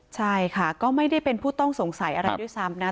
ใช่ค่ะก็ไม่ได้เป็นผู้ต้องสงสัยอะไรด้วยซ้ำนะ